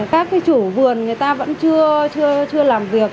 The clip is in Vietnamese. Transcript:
các chủ vườn người ta vẫn chưa làm việc